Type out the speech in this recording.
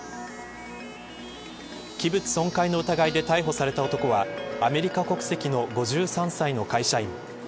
器物損壊の疑いで逮捕された男はアメリカ国籍の５３歳の会社員。